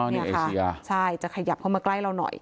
อ๋อนี่เอเชียใช่จะขยับเข้ามาใกล้เราหน่อย